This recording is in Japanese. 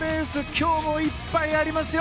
今日もいっぱいありますよ！